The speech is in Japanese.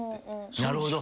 なるほど。